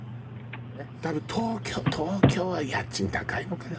多分東京東京は家賃高いのかな。